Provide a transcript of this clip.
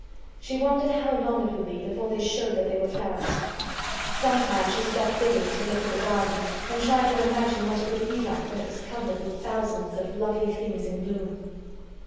She wondered how long it would be before they showed that they were flowers. Sometimes she stopped digging to look at the garden and try to imagine what it would be like when it was covered with thousands of lovely things in bloom.